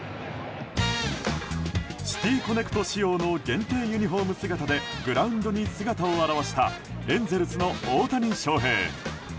シティ・コネクト仕様の限定ユニホーム姿でグラウンドに姿を現したエンゼルスの大谷翔平。